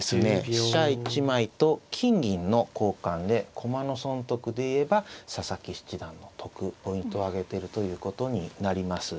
飛車１枚と金銀の交換で駒の損得で言えば佐々木七段の得ポイントをあげてるということになります。